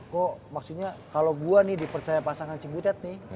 kok maksudnya kalo gue nih dipercaya pasangan cibutet nih